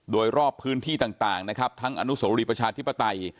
โดยรอบพื้นที่ต่างนะครับทั้งอนุโสรีประชาธิปไตย